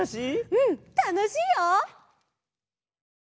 うんたのしいよ！